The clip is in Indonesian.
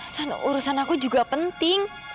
terus urusan aku juga penting